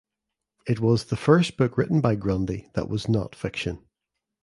It was the first book written by Grundy that was not fiction.